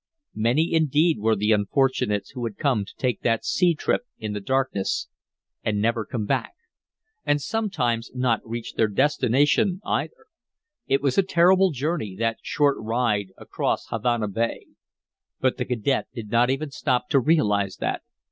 Many indeed were the unfortunates who had gone to take that sea trip in the darkness and never come back and sometimes not reached their destination either. It was a terrible journey, that short ride across Havana Bay. But the cadet did not even stop to realize that.